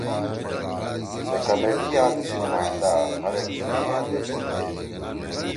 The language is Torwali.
سے کمیٹی آں تیسی نمائندہ ہر ِاکشُومے ایپوت بھیَدی۔